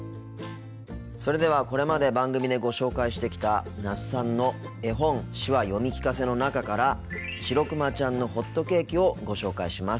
それではこれまで番組でご紹介してきた那須さんの「絵本手話読み聞かせ」の中から「しろくまちゃんのほっとけーき」をご紹介します。